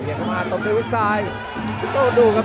โอ้โหอยู่อย่างอย่างคู่ขี้สูสีอยู่ครับ